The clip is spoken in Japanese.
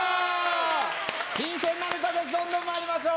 新鮮なネタですどんどん参りましょう。